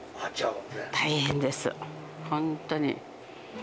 もう大変です、本当に。